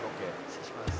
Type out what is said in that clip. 失礼します。